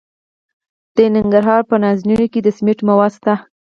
د ننګرهار په نازیانو کې د سمنټو مواد شته.